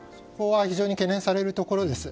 非常に懸念されるところです。